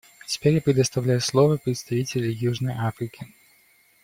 Теперь я предоставляю слово представителю Южной Африки.